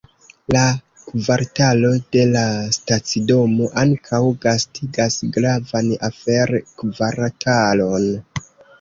La kvartalo de la stacidomo ankaŭ gastigas gravan afer-kvartalon.